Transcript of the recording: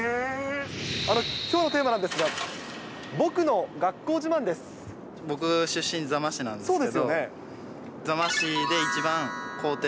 きょうのテーマなんですが、僕、出身、座間市なんですけ